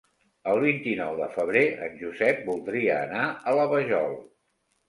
El vint-i-nou de febrer en Josep voldria anar a la Vajol.